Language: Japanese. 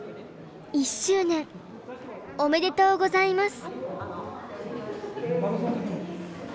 １しゅう年おめでとうございます」。